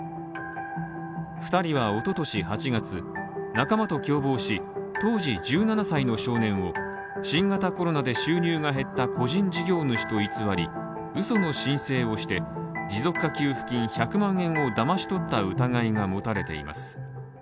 ２人は一昨年８月、仲間と共謀し、当時１７歳の少年を新型コロナで収入が減った個人事業主と偽り、うその申請をして持続化給付金１００万円をだまし取った疑いが持たれています。